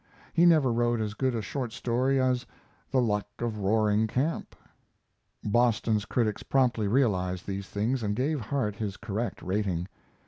He never wrote as good a short story as "The Luck of Roaring Camp." Boston critics promptly realized these things and gave Harte his correct rating.